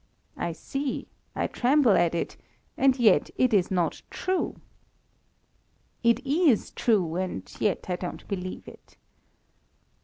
I see, I tremble at it, and yet it is not true. It is true, and yet I don't believe it.